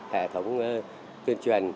hệ thống tuyên truyền